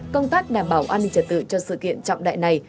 công tác đảm bảo an ninh trật tự cho sự kiện trọng đại này